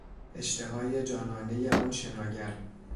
اشتهای جانانهی آن شناگر